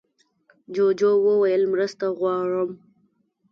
جوجو وویل مرسته غواړم.